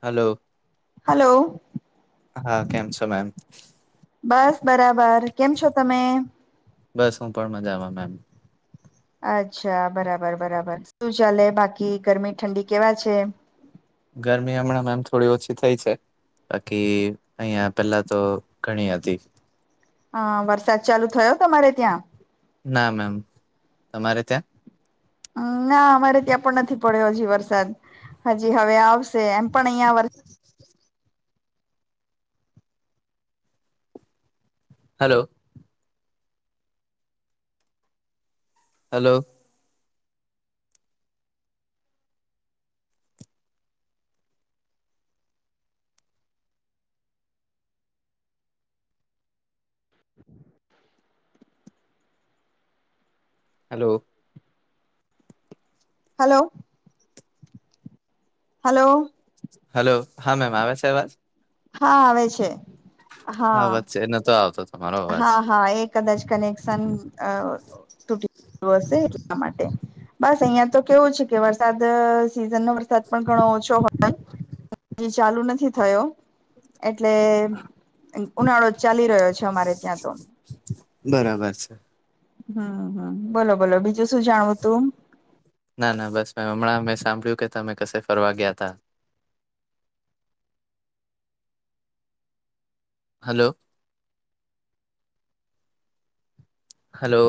Hello hello હા કેમ છો મેમ બસ બરાબર કેમ છો તમે? બસ હું પણ મજામાં મેમ અચ્છા બરાબર બરાબર શું ચાલે બાકી ગરમી ઠંડી કેવા છે ગરમી હમણાં એમ થોડી ઓછી થઈ છે બાકી અહં પેલા તો ઘણી હતી હ વરસાદ ચાલુ થયો તમારે ત્યાં ના મેમ તમારે ત્યાં ના અમારે ત્યાં પણ નથી પડ્યો હજી વરસાદ હજી હવે આવ છેે એમપણ્યા વર hello hello hello hello hello hello હા મેમ આવે છે અવાજ હા આવે છે હા વચ્ચે નતો આવતો તમારો અવાજ હા હા એ કદાચ કનેક્શન અ તૂટી હશે એટલા માટે બસ અહિયાં તો કેવું છે કે વરસાદ સીઝન નો વરસાદ પણ ઘણો ઓછો હોય ચાલુ નથી થયો એટલે ઉનાળો જ ચાલી રહ્યો છે અરે ત્યાં તો બરાબર છે હમ હમ બોલો બોલો બીજ ના ના બસ મે હમણાં મેં સાંભળ્યું કે તમે કસે ફરવા ગયા તા હલો હલો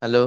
હલો